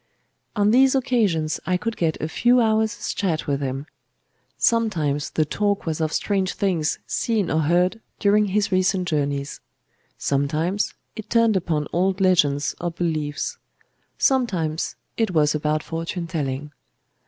On these occasions I could get a few hours' chat with him. Sometimes the talk was of strange things seen or heard during his recent journey; sometimes it turned upon old legends or beliefs; sometimes it was about fortune telling.